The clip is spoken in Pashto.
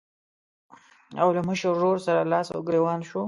او له مشر ورور سره لاس او ګرېوان شو.